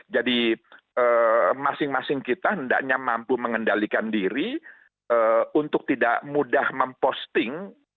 jadi masing masing kita hendaknya mampu mengendalikan diri untuk tidak mudah memposting